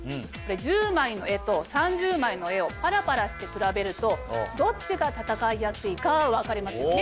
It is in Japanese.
１０枚の絵と３０枚の絵をパラパラして比べるとどっちが戦いやすいか分かりますよね？